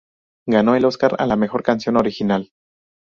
Ganó el Óscar a la mejor canción original.